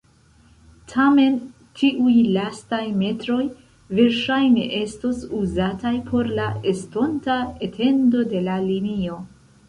Tamen tiuj lastaj metroj verŝajne estos uzataj por la estonta etendo de la linio.